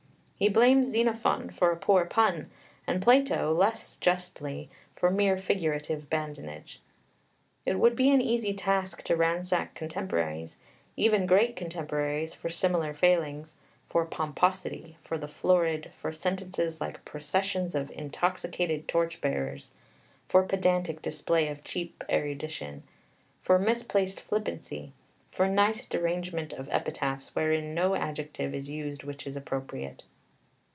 He blames Xenophon for a poor pun, and Plato, less justly, for mere figurative badinage. It would be an easy task to ransack contemporaries, even great contemporaries, for similar failings, for pomposity, for the florid, for sentences like processions of intoxicated torch bearers, for pedantic display of cheap erudition, for misplaced flippancy, for nice derangement of epitaphs wherein no adjective is used which is appropriate.